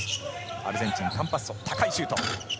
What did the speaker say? アルゼンチン、カンパッソの高いシュート。